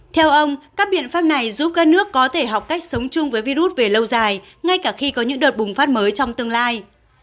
theo ông các biện pháp này giúp các nước có thể học cách sống chung với virus về lâu dài ngay cả khi có những đợt bùng phát mới trong tương lai